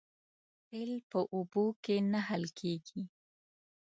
تیل په اوبو کې نه حل کېږي